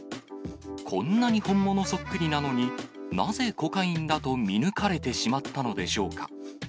こんなに本物そっくりなのに、なぜコカインだと見抜かれてしまったのでしょうか。